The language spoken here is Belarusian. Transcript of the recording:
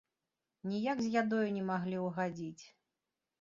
Ніяк з ядою не маглі ўгадзіць.